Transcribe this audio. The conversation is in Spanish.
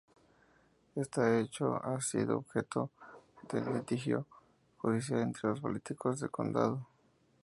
Este hecho ha sido objeto de litigio judicial entre los políticos del condado.